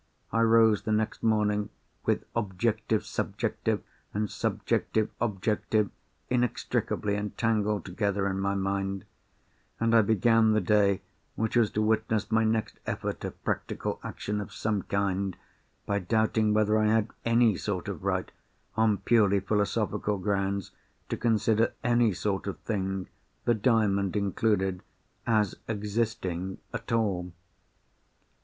I rose the next morning, with Objective Subjective and Subjective Objective inextricably entangled together in my mind; and I began the day which was to witness my next effort at practical action of some kind, by doubting whether I had any sort of right (on purely philosophical grounds) to consider any sort of thing (the Diamond included) as existing at all.